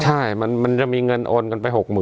ใช่มันจะมีเงินโอนกันไป๖๐๐๐